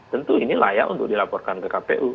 tentu ini layak untuk dilaporkan ke kpu